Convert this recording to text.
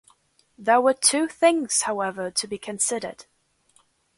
There were two things, however, to be considered.